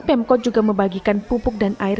pemkot juga membagikan pupuk dan air